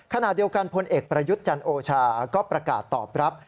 ขณะเดียวกันพลเอกประยุทธ์จันโอชาก็ประกาศตอบรับ